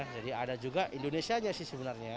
jadi ada juga indonesia sih sebenarnya